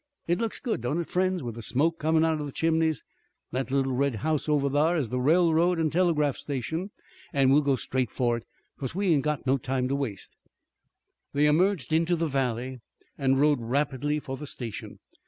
It looks good, don't it, friends, with the smoke comin' out of the chimneys. That little red house over thar is the railroad an' telegraph station, an' we'll go straight for it, 'cause we ain't got no time to waste." They emerged into the valley and rode rapidly for the station.